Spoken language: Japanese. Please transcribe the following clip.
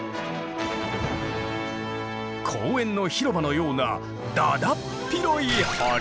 公園の広場のようなだだっ広い堀！